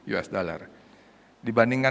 us dollar dibandingkan